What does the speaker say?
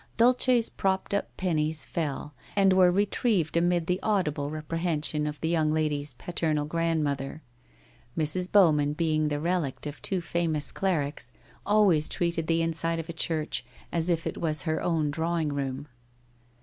Dulce's propped up pennies fell, and were retrieved amid the audible repre hension of the young lady's paternal grandmother. Mrs. Bowman being the relict of two famous clerics, always treated the inside of a church as if it was her own drawing room.